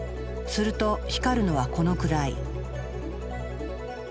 すると光るのはこのくらい。